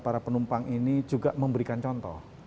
para penumpang ini juga memberikan contoh